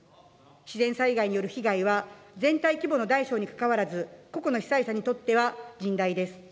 自然災害による被害は全体規模の大小にかかわらず、個々の被災者にとっては甚大です。